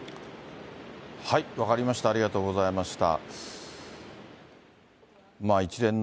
分かりました、ありがとうございました。